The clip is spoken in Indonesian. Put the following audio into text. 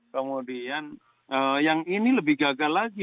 kemudian yang ini lebih gagal lagi